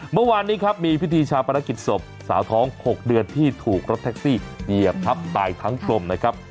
เมื่อวานนี้ครับมีพิธีชาปนกิจศพสาวท้อง๖เดือนที่ถูกรถแท็กซี่เหยียบทับตายทั้งกลมนะครับ